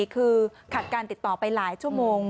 คือขัดการติดต่อไปหลายชั่วโมง